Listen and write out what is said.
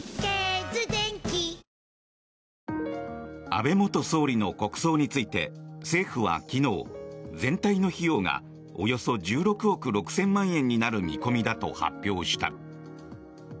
安倍元総理の国葬について政府は昨日、全体の費用がおよそ１６億６０００万円になる見込みだと発表した。